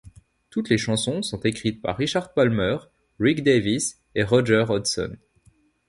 Toutes les chansons sont écrites par Richard Palmer, Rick Davies et Roger Hodgson.